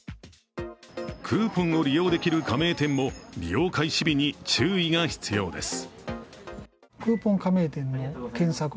クーポンを利用できる加盟店も利用開始日に注意が必要です。